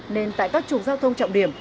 nên tại các trục giao thông trọng điểm